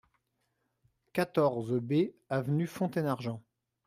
quatorze B avenue Fontaine-Argent